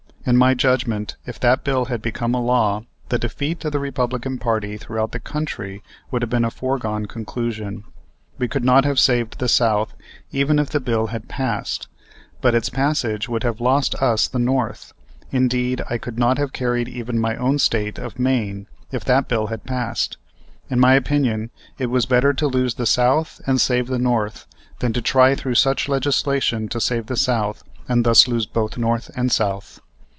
In my judgment, if that bill had become a law the defeat of the Republican party throughout the country would have been a foregone conclusion. We could not have saved the South even if the bill had passed, but its passage would have lost us the North; indeed, I could not have carried even my own State of Maine, if that bill had passed. In my opinion, it was better to lose the South and save the North, than to try through such legislation to save the South, and thus lose both North and South.